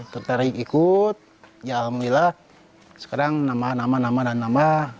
tertarik ikut ya alhamdulillah sekarang nama nama dan nama